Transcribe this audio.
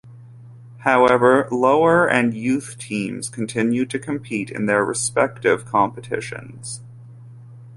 However lower and youth teams continued to compete in their respective competitions.